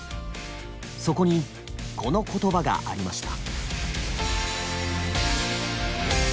そこにこの言葉がありました。